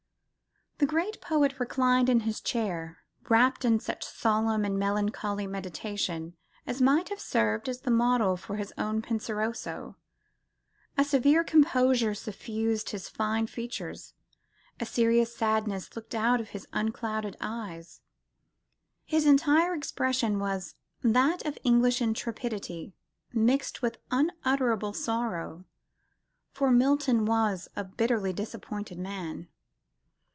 The great poet reclined in his chair, wrapt in such solemn and melancholy meditation as might have served as the model for his own Penseroso. A severe composure suffused his fine features, a serious sadness looked out of his unclouded eyes; his entire expression was "that of English intrepidity mixed with unutterable sorrow." For Milton was a bitterly disappointed man.